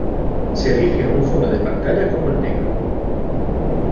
Se elige un fondo de pantalla como el negro.